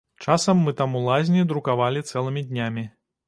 Часам мы там у лазні друкавалі цэлымі днямі.